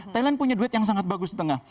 thailand punya duit yang sangat bagus di tengah